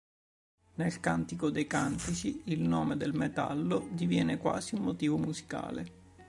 Nel cantico dei cantici il nome del metallo diviene quasi un motivo musicale.